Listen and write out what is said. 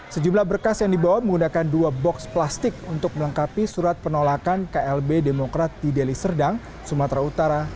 sejumlah berkas yang dibawa menggunakan dua box plastik untuk melengkapi surat penolakan klb demokrat di deli serdang sumatera utara